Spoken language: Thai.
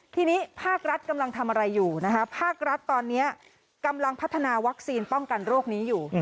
ทีนี้ภาครัฐกำลังทำอะไรอยู่นะคะภาครัฐตอนนี้กำลังพัฒนาวัคซีนป้องกันโรคนี้อยู่